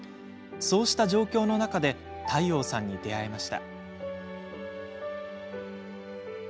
そうした状況の中で諦應さんに出会いました。